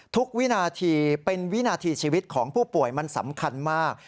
วินาทีเป็นวินาทีชีวิตของผู้ป่วยมันสำคัญมาก